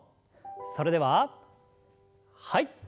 それでははい。